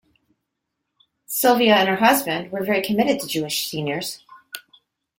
Sylvia and her husband were very committed to Jewish seniors.